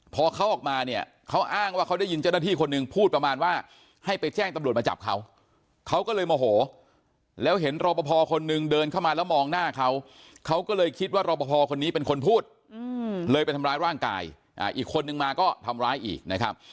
พอเขาออกมาเนี่ยเขาอ้างว่าเขาได้ยินเจ้าหน้าที่คนหนึ่งพูดประมาณว่าให้ไปแจ้งตำรวจมาจับเขาเขาก็เลยโมโหแล้วเห็นรอปภคนนึงเดินเข้ามาแล้วมองหน้าเขาเขาก็เลยคิดว่ารอปภคนนี้เป็นคนพูดเลยไปทำร้ายร่างกายอีกคนนึงมาก็ทำร้ายอีกนะครับ